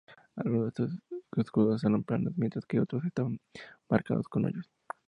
Algunos de estos escudos eran planos, mientras que otros estaban marcados con hoyos.